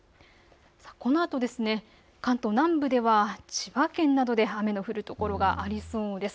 このあと関東南部では千葉県などで雨の降る所がありそうです。